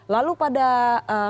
lalu pada solar